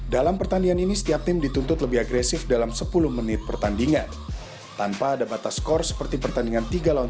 dalam pertandingan ini setiap tim dituntut lebih agresif dalam sepuluh menit pertandingan tanpa ada batas skor seperti pertandingan tiga lawan